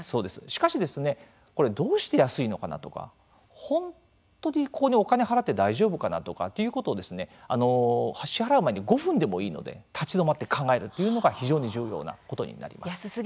しかし、これどうして安いのかな？とか本当にここにお金を払って大丈夫かな？ということを支払う前に５分でもいいので立ち止まって考えるというのが非常に重要なことになります。